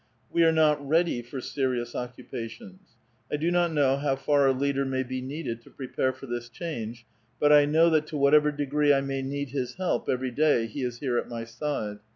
We are not ready for serious occupations. I do not know how far a leader may be needed to prepare for this change. But I know that to whatever degree I may need his help every day, he is here at my side.